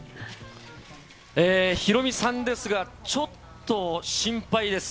ヒロミさんですが、ちょっと心配です。